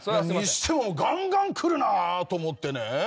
にしてもガンガンくるなと思ってね。